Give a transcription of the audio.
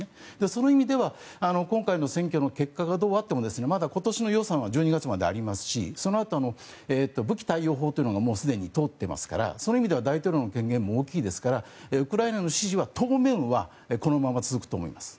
その意味では今回の選挙の結果がどうあってもまだ今年の予算は１２月までありますしそのあとも武器貸与法というのがすでに通っていますからその意味では大統領の権限も大きいですからウクライナの支持は当面はこのまま続くと思います。